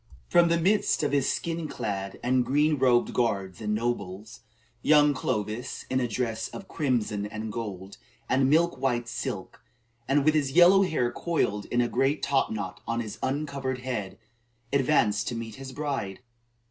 From the midst of his skin clad and green robed guards and nobles, young Clovis in a dress of "crimson and gold, and milk white silk," and with his yellow hair coiled in a great top knot on his uncovered head advanced to meet his bride.